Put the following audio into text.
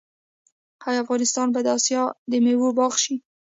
آیا افغانستان به د اسیا د میوو باغ شي؟